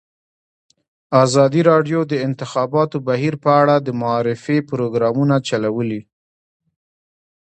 ازادي راډیو د د انتخاباتو بهیر په اړه د معارفې پروګرامونه چلولي.